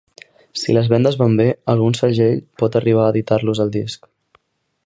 Si les vendes van bé, algun segell pot arribar a editar-los el disc.